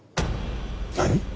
何！？